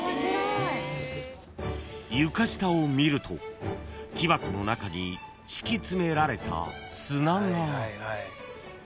［床下を見ると木箱の中に敷き詰められた砂が］